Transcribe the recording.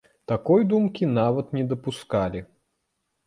Такой думкі нават не дапускалі.